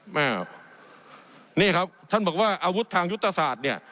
แม่นี่ครับท่านบอกว่าอาวุธทางยุทธศาสตร์เนี่ย